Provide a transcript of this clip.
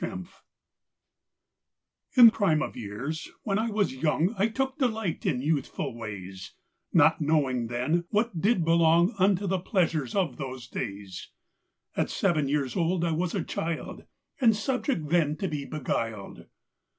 ] IN prime of years, when I was young, I took delight in youthful ways, Not knowing then what did belong Unto the pleasures of those days. At seven years old I was a child, And subject then to be beguiled.